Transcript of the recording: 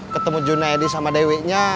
ketemu junaidi sama dewi nya